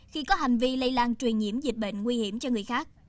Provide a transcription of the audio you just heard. khi có hành vi lây lan truyền nhiễm dịch bệnh nguy hiểm cho người khác